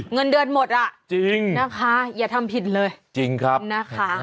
เงินเดือนหมดอ่ะจริงนะคะอย่าทำผิดเลยจริงครับนะคะ